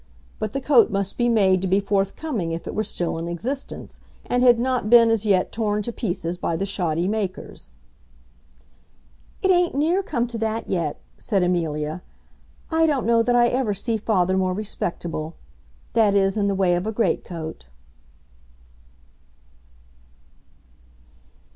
But the coat must be made to be forthcoming if it were still in existence, and had not been as yet torn to pieces by the shoddy makers. "It ain't near come to that yet," said Amelia. "I don't know that I ever see father more respectable, that is, in the way of a great coat."